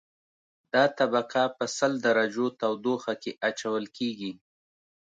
دا طبقه په سل درجو تودوخه کې اچول کیږي